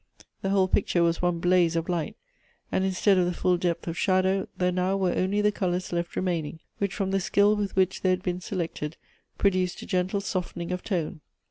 The whole picture was one blaze of light; and instead of the full depth of shadow, there now were only the colors left remaining, which, from the skill with which they had been selected, produced a gen tle softening of tone.